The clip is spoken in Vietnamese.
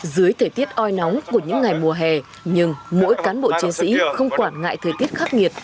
dưới thời tiết oi nóng của những ngày mùa hè nhưng mỗi cán bộ chiến sĩ không quản ngại thời tiết khắc nghiệt